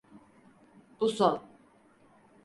Bu son.